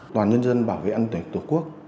toàn nhân dân bảo vệ an ninh trật tự